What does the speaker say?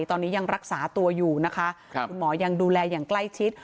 ตอนนี้ยังรักษาตัวอยู่นะคะคุณหมอยังดูแลอย่างใกล้ชิด